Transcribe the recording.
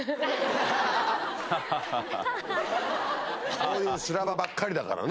そういう修羅場ばっかりだからね。